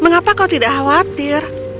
mengapa kau tidak khawatir